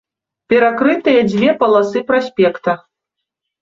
Перакрытыя дзве паласы праспекта.